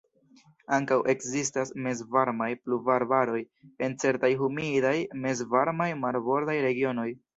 Ankaŭ ekzistas mezvarmaj pluvarbaroj, en certaj humidaj mezvarmaj marbordaj regionoj.